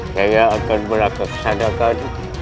saya akan merangkap kesadangan